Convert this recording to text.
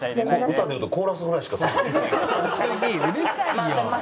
歌で言うとコーラスぐらいしか参加してない。